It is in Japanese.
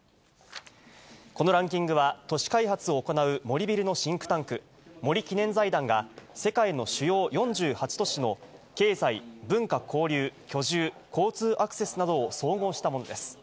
このランキングは、都市開発を行う森ビルのシンクタンク、森記念財団が、世界の主要４８都市の経済、文化・交流、居住、交通アクセスなどを総合したものです。